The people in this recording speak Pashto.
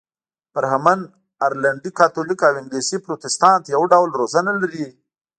برهمن، ارلنډي کاتولیک او انګلیسي پروتستانت یو ډول روزنه لري.